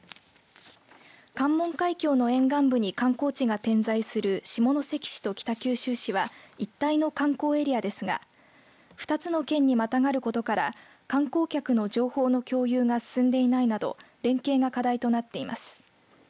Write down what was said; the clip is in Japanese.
関門海峡の沿岸部に観光地が点在する下関市と北九州市は一帯の観光エリアですが２つの県にまたがることから観光客の情報の共有が進んでいないなど連携が課題となっています。